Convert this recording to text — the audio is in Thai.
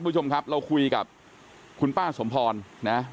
คุณผู้ชมครับเราคุยกับคุณป้าสมพรนะ